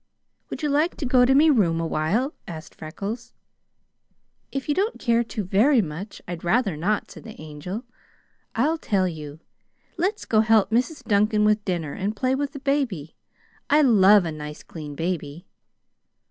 "Would you like to go to me room awhile?" asked Freckles. "If you don't care to very much, I'd rather not," said the Angel. "I'll tell you. Let's go help Mrs. Duncan with dinner and play with the baby. I love a nice, clean baby."